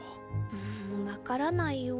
うん分からないよ。